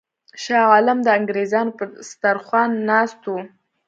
شاه عالم د انګرېزانو پر سترخوان ناست وو.